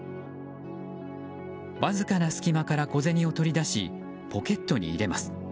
わずかな隙間から小銭を取り出しポケットに入れます。